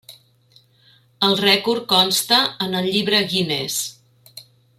El rècord consta en el llibre Guinness.